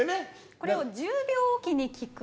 これを１０秒置きに聞く。